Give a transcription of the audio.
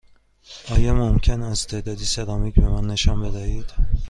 آیا ممکن است تعدادی سرامیک به من نشان بدهید؟